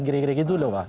gira kira gitu loh